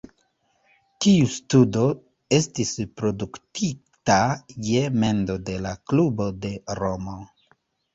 Tiu studo estis produktita je mendo de la klubo de Romo.